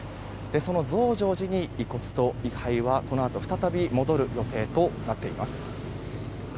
その増上寺に遺骨と遺灰はこのあと再び戻る予定となっています。